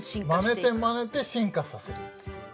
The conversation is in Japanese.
まねてまねて進化させるっていう。